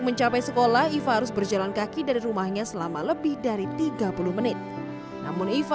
mencapai sekolah iva harus berjalan kaki dari rumahnya selama lebih dari tiga puluh menit namun iva